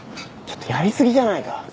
ちょっとやり過ぎじゃないか？